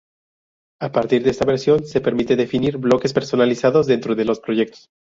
A partir de esta versión, se permite definir "bloques personalizados" dentro de los proyectos.